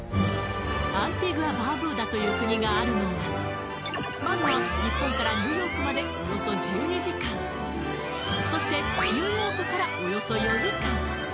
アンティグア・バーブーダという国があるのはまずは日本からニューヨークまでおよそ１２時間そしてニューヨークからおよそ４時間